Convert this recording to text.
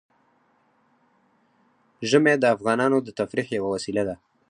ژمی د افغانانو د تفریح یوه وسیله ده.